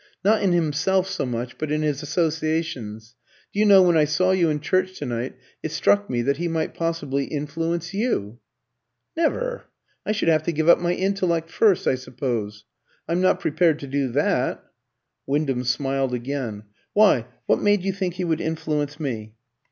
Not in himself so much, but in his associations. Do you know, when I saw you in church to night it struck me that he might possibly influence you." "Never! I should have to give up my intellect first, I suppose. I'm not prepared to do that." Wyndham smiled again. "Why, what made you think he would influence me?"